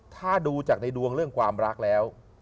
ถ้าดูจากในดวงเรื่องความรักแล้ว